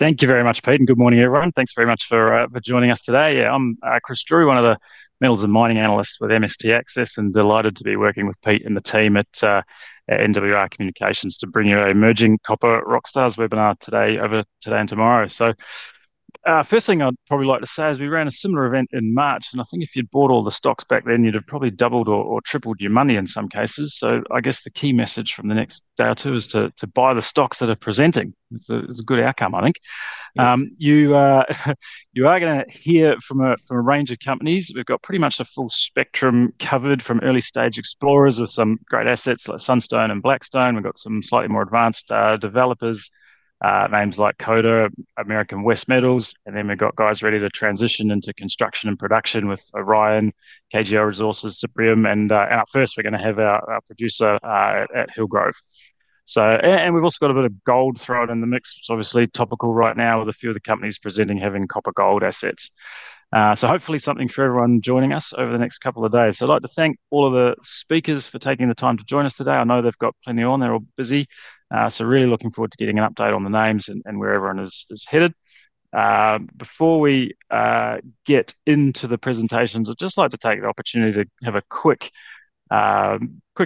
Thank you very much, Pete. Good morning, everyone. Thanks very much for joining us today. I'm Chris Drew, one of the Metals and Mining Analysts with MST Access, and delighted to be working with Pete and the team at NWR Communications to bring you our Emerging Copper Rock Stars Webinar today, over today and tomorrow. The first thing I'd probably like to say is we ran a similar event in March, and I think if you'd bought all the stocks back then, you'd have probably doubled or tripled your money in some cases. I guess the key message from the next day or two is to buy the stocks that are presenting. It's a good outcome, I think. You are going to hear from a range of companies. We've got pretty much the full spectrum covered from early-stage explorers with some great assets like Sunstone and Blackstone. We've got some slightly more advanced developers, names like Coda, American West Metals, and then we've got guys ready to transition into construction and production with Orion, KGL Resources, Supreme, and out first, we're going to have our producer at Hillgrove. We've also got a bit of gold thrown in the mix, which is obviously topical right now with a few of the companies presenting having copper-gold assets. Hopefully something for everyone joining us over the next couple of days. I'd like to thank all of the speakers for taking the time to join us today. I know they've got plenty on. They're all busy. Really looking forward to getting an update on the names and where everyone is headed. Before we get into the presentations, I'd just like to take the opportunity to have a quick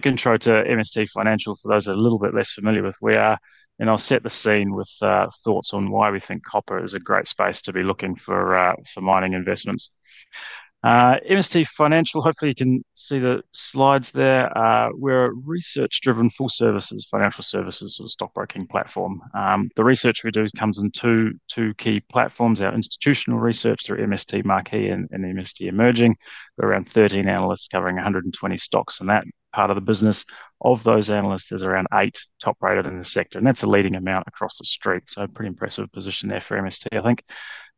intro to MST Financial for those that are a little bit less familiar with where we are, and I'll set the scene with thoughts on why we think copper is a great space to be looking for mining investments. MST Financial, hopefully you can see the slides there. We're a research-driven full services, financial services, sort of stockbroking platform. The research we do comes in two key platforms: our institutional research through MST Marquee and MST Emerging. We're around 13 analysts covering 120 stocks in that part of the business. Of those analysts, there's around eight top-rated in the sector, and that's a leading amount across the street. A pretty impressive position there for MST, I think.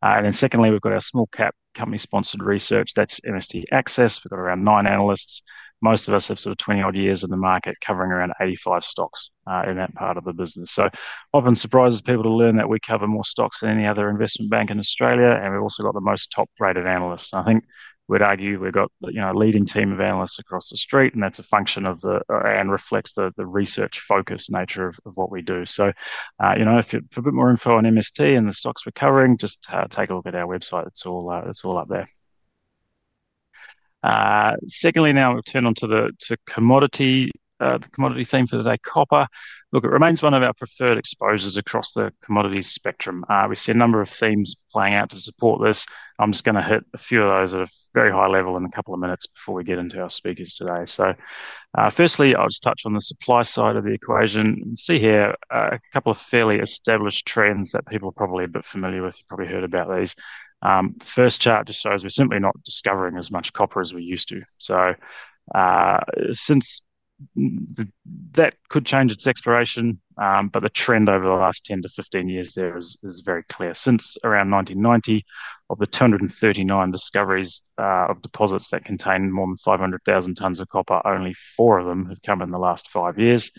Then secondly, we've got our small-cap company-sponsored research. That's MST Access. We've got around nine analysts. Most of us have sort of 20-odd years in the market covering around 85 stocks in that part of the business. It often surprises people to learn that we cover more stocks than any other investment bank in Australia, and we've also got the most top-rated analysts. I think we'd argue we've got a leading team of analysts across the street, and that's a function of, and reflects, the research-focused nature of what we do. For a bit more info on MST and the stocks we're covering, just take a look at our website. It's all up there. Secondly, now we'll turn onto the commodity theme for today, copper. It remains one of our preferred exposures across the commodities spectrum. We see a number of themes playing out to support this. I'm just going to hit a few of those at a very high level in a couple of minutes before we get into our speakers today. Firstly, I'll just touch on the supply side of the equation. You can see here a couple of fairly established trends that people are probably a bit familiar with. You've probably heard about these. The first chart just shows we're simply not discovering as much copper as we used to. That could change with exploration, but the trend over the last 10-15 years there is very clear. Since around 1990, of the 239 discoveries of deposits that contain more than 500,000 tons of copper, only four of them have come in the last five years.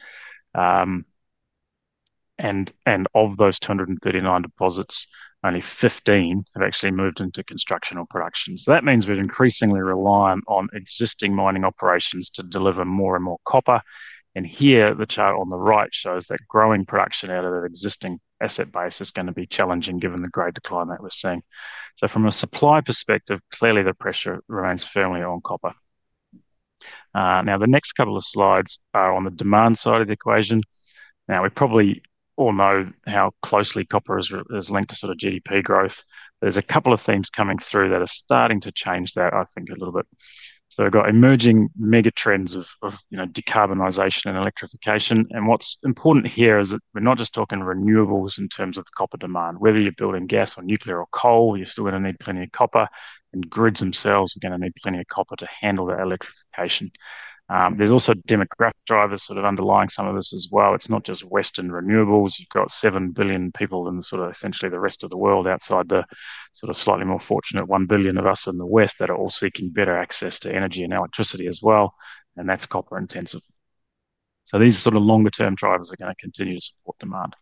Of those 239 deposits, only 15 have actually moved into construction or production. That means we're increasingly reliant on existing mining operations to deliver more and more copper. The chart on the right shows that growing production out of an existing asset base is going to be challenging given the grade decline that we're seeing. From a supply perspective, clearly the pressure remains firmly on copper. The next couple of slides are on the demand side of the equation. We probably all know how closely copper is linked to GDP growth. There are a couple of themes coming through that are starting to change that, I think, a little bit. We've got emerging megatrends of decarbonization and electrification. What's important here is that we're not just talking renewables in terms of copper demand. Whether you're building gas or nuclear or coal, you're still going to need plenty of copper. Grids themselves are going to need plenty of copper to handle the electrification. There are also demographic drivers underlying some of this as well. It's not just Western renewables. You've got 7 billion people in essentially the rest of the world outside the slightly more fortunate 1 billion of us in the West that are all seeking better access to energy and electricity as well. That's copper intensive. These are longer-term drivers that are going to continue to support demand.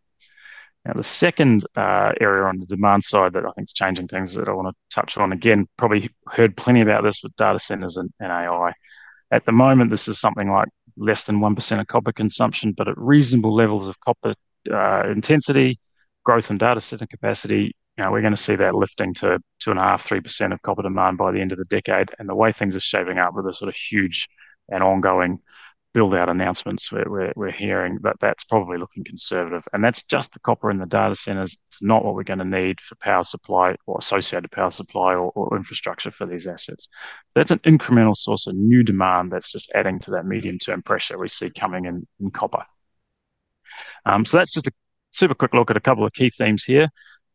The second area on the demand side that I think is changing things that I want to touch on, you've probably heard plenty about this with data centers and AI. At the moment, this is something like less than 1% of copper consumption, but at reasonable levels of copper intensity, growth, and data center capacity, we're going to see that lifting to 2.5%-3% of copper demand by the end of the decade. The way things are shaping up with the huge and ongoing build-out announcements we're hearing, that's probably looking conservative. That's just the copper in the data centers. It's not what we're going to need for power supply or associated power supply or infrastructure for these assets. That's an incremental source of new demand that's just adding to that medium-term pressure we see coming in copper. That's just a super quick look at a couple of key themes here.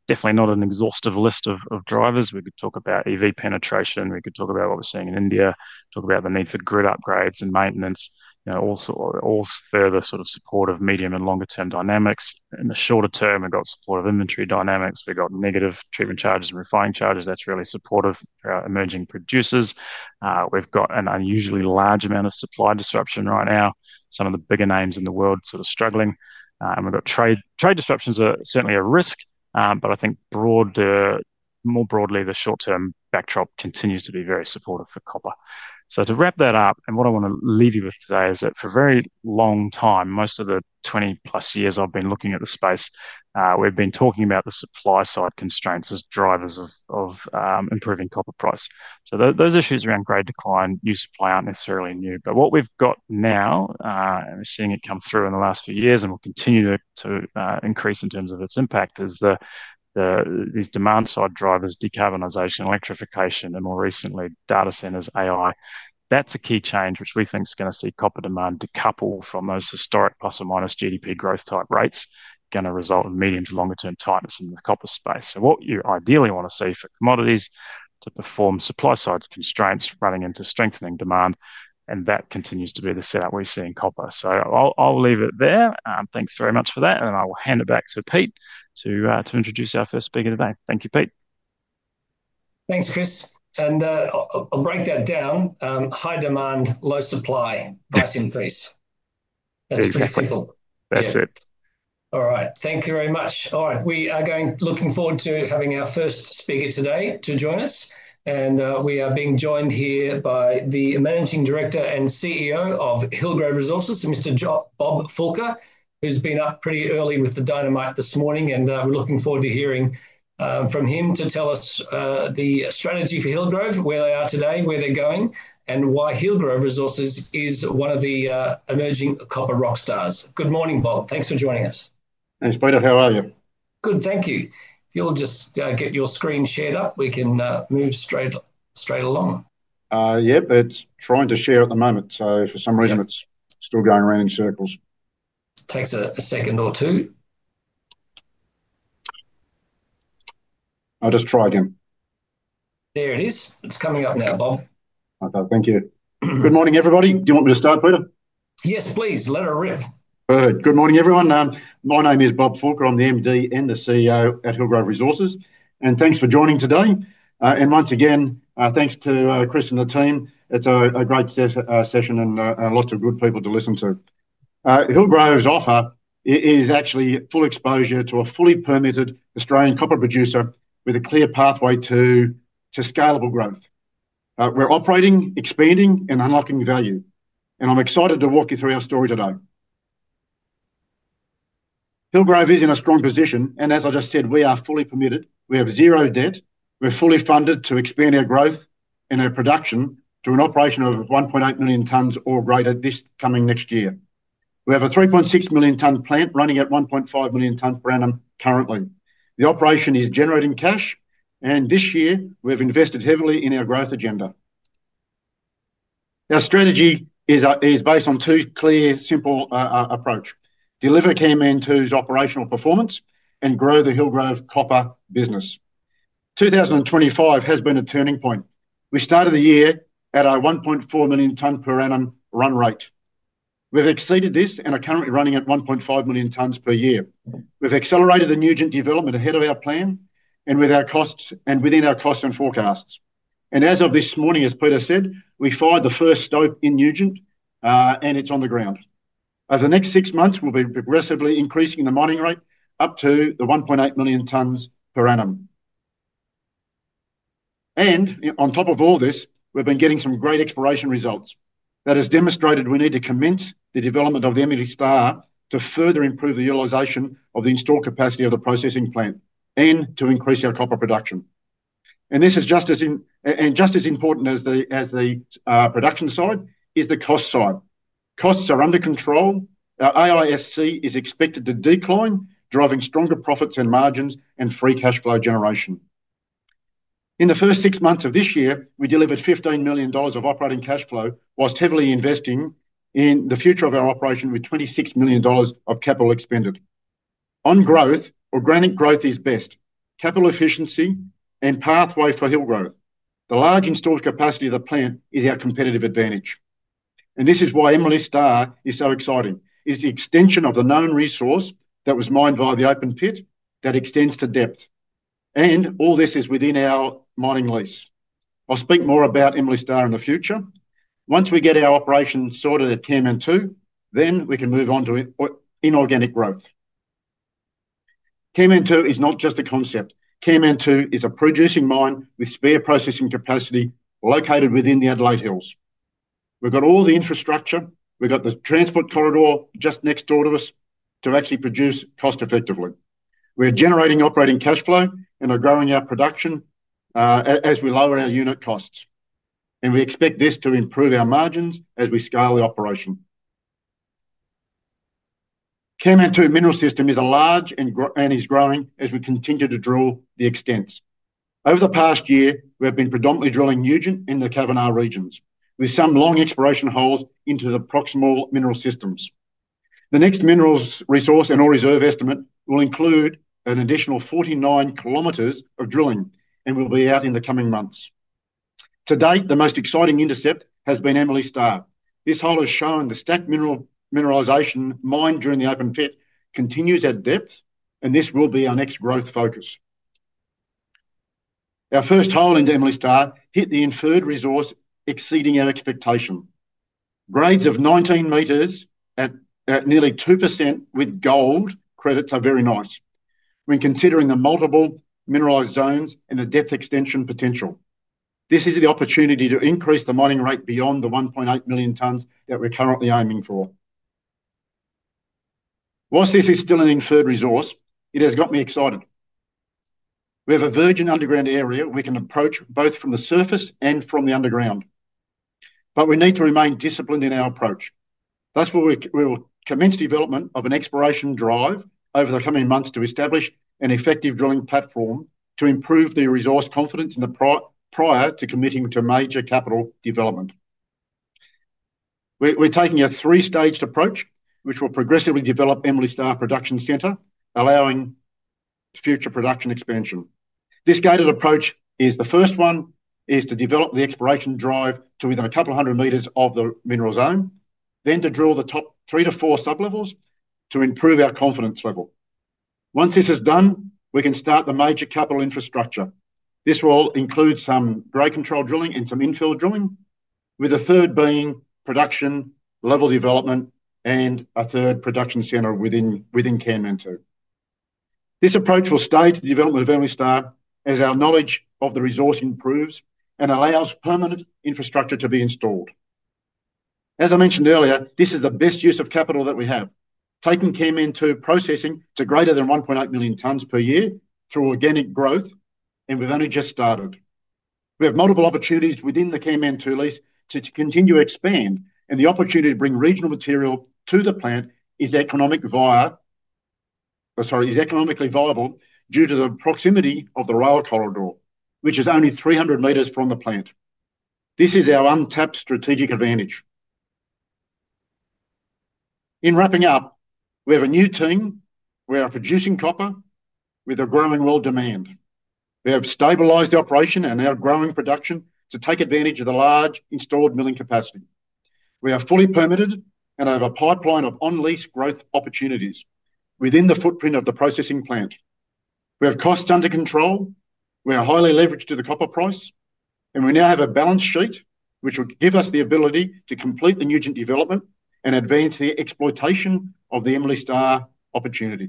Definitely not an exhaustive list of drivers. We could talk about EV penetration. We could talk about what we're seeing in India, talk about the need for grid upgrades and maintenance, all further supportive medium and longer-term dynamics. In the shorter term, we've got supportive inventory dynamics. We've got negative treatment charges and refined charges. That's really supportive for our emerging producers. We've got an unusually large amount of supply disruption right now. Some of the bigger names in the world are struggling. We've got trade disruptions that are certainly a risk, but I think more broadly, the short-term backdrop continues to be very supportive for copper. To wrap that up, what I want to leave you with today is that for a very long time, most of the 20+ years I've been looking at the space, we've been talking about the supply side constraints as drivers of improving copper price. Those issues around grade decline and supply aren't necessarily new, but what we've got now, and we're seeing it come through in the last few years and will continue to increase in terms of its impact, is the demand side drivers: decarbonization, electrification, and more recently, data centers, AI. That's a key change which we think is going to see copper demand decouple from those historic plus or minus GDP growth type rates, going to result in medium to longer-term tightness in the copper space. What you ideally want to see for commodities is to perform supply side constraints running into strengthening demand, and that continues to be the setup we see in copper. I'll leave it there. Thanks very much for that, and I will hand it back to Pete to introduce our first speaker today. Thank you, Pete. Thanks, Chris. I'll break that down: high demand, low supply, price increase. That's pretty simple. That's it. All right. Thank you very much. We are going to be looking forward to having our first speaker today to join us. We are being joined here by the Managing Director and CEO of Hillgrove Resources, Mr. Bob Fulker, who's been up pretty early with the dynamite this morning. We're looking forward to hearing from him to tell us the strategy for Hillgrove, where they are today, where they're going, and why Hillgrove Resources is one of the emerging copper rock stars. Good morning, Bob. Thanks for joining us. Thanks, Pete. How are you? Good, thank you. If you'll just get your screen shared up, we can move straight along. Yep, it's trying to share at the moment. For some reason, it's still going around in circles. Takes a second or two. I'll try again. There it is. It's coming up now, Bob. Okay, thank you. Good morning, everybody. Do you want me to start, Peter? Yes, please. Let it rip. Perfect. Good morning, everyone. My name is Bob Fulker. I'm the MD and the CEO at Hillgrove Resources. Thanks for joining today. Once again, thanks to Chris and the team. It's a great session and lots of good people to listen to. Hillgrove's offer is actually full exposure to a fully permitted Australian copper producer with a clear pathway to scalable growth. We're operating, expanding, and unlocking value. I'm excited to walk you through our story today. Hillgrove is in a strong position. As I just said, we are fully permitted. We have zero debt. We're fully funded to expand our growth and our production to an operation of 1.8 million tons or greater this coming next year. We have a 3.6 million-ton plant running at 1.5 million tons per annum currently. The operation is generating cash. This year, we've invested heavily in our growth agenda. Our strategy is based on two clear, simple approaches: deliver Kanmantoo's operational performance and grow the Hillgrove copper business. 2025 has been a turning point. We started the year at a 1.4 million ton per annum run rate. We've exceeded this and are currently running at 1.5 million tons per year. We've accelerated the Nugent development ahead of our plan and within our costs and forecasts. As of this morning, as Peter said, we fired the first stoke in Nugent and it's on the ground. Over the next six months, we'll be progressively increasing the mining rate up to the 1.8 million tons per annum. On top of all this, we've been getting some great exploration results that have demonstrated we need to commence the development of the Emily Star to further improve the utilization of the installed capacity of the processing plant and to increase our copper production. Just as important as the production side is the cost side. Costs are under control. Our AISC is expected to decline, driving stronger profits and margins and free cash flow generation. In the first six months of this year, we delivered 15 million dollars of operating cash flow whilst heavily investing in the future of our operation with 26 million dollars of capital expended. On growth, organic growth is best. Capital efficiency and pathway for Hillgrove. The large installed capacity of the plant is our competitive advantage. This is why Emily Star is so exciting. It's the extension of the known resource that was mined via the open pit that extends to depth. All this is within our mining lease. I'll speak more about Emily Star in the future. Once we get our operations sorted at Kanmantoo, then we can move on to inorganic growth. Kanmantoo is not just a concept. Kanmantoo is a producing mine with spare processing capacity located within the Adelaide Hills. We've got all the infrastructure. We've got the transport corridor just next door to us to actually produce cost effectively. We're generating operating cash flow and are growing our production as we lower our unit costs. We expect this to improve our margins as we scale the operation. Kanmantoo mineral system is large and is growing as we continue to drill the extents. Over the past year, we've been predominantly drilling Nugent and the Kavanagh regions, with some long exploration holes into the proximal mineral systems. The next minerals resource and/or reserve estimate will include an additional 49 km of drilling and will be out in the coming months. To date, the most exciting intercept has been Emily Star. This hole has shown the stacked mineralization mined during the open pit continues at depth, and this will be our next growth focus. Our first hole into Emily Star hit the inferred resource exceeding our expectation. Grades of 19 m at nearly 2% with gold credits are very nice when considering the multiple mineralized zones and the depth extension potential. This is the opportunity to increase the mining rate beyond the 1.8 million tons that we're currently aiming for. Whilst this is still an inferred resource, it has got me excited. We have a virgin underground area we can approach both from the surface and from the underground. We need to remain disciplined in our approach. Thus, we will commence development of an exploration drive over the coming months to establish an effective drilling platform to improve the resource confidence prior to committing to major capital development. We're taking a three-staged approach, which will progressively develop Emily Star production center, allowing future production expansion. This guided approach is the first one to develop the exploration drive to within a couple hundred meters of the mineral zone, then to drill the top three to four sub-levels to improve our confidence level. Once this is done, we can start the major capital infrastructure. This will include some grade control drilling and some infill drilling, with the third being production level development and a third production center within Kanmantoo. This approach will stage the development of Emily Star as our knowledge of the resource improves and allows permanent infrastructure to be installed. As I mentioned earlier, this is the best use of capital that we have, taking Kanmantoo processing to greater than 1.8 million tons per year through organic growth, and we've only just started. We have multiple opportunities within the Kanmantoo lease to continue to expand, and the opportunity to bring regional material to the plant is economically viable due to the proximity of the rail corridor, which is only 300 m from the plant. This is our untapped strategic advantage. In wrapping up, we have a new team. We are producing copper with a growing world demand. We have stabilized operation and now growing production to take advantage of the large installed milling capacity. We are fully permitted and have a pipeline of unleashed growth opportunities within the footprint of the processing plant. We have costs under control. We are highly leveraged to the copper price, and we now have a balance sheet which will give us the ability to complete the Nugent development and advance the exploitation of the Emily Star opportunity.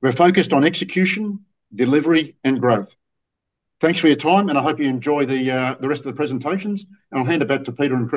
We're focused on execution, delivery, and growth. Thanks for your time, and I hope you enjoy the rest of the presentations. I'll hand it back to Peter.